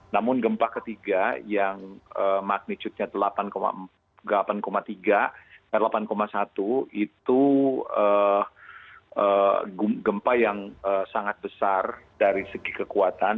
namun gempa ketiga yang magnitudenya delapan satu itu gempa yang sangat besar dari segi kekuatan